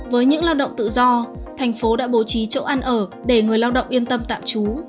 với những lao động tự do thành phố đã bố trí chỗ ăn ở để người lao động yên tâm tạm trú